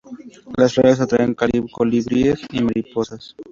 Las flores atraen colibríes y mariposas.